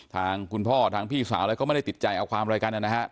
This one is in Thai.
ทางคุณพ่อทางพี่สาวแล้วก็ไม่ได้ติดใจเอาความอะไรกันนะฮะ